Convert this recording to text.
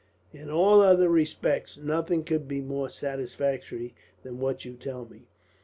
"In all other respects, nothing could be more satisfactory than what you tell me.